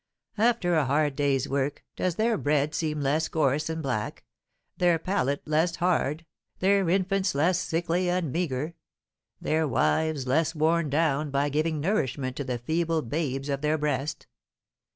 After a hard day's work does their bread seem less coarse and black, their pallet less hard, their infants less sickly and meagre, their wives less worn down by giving nourishment to the feeble babes of their breast?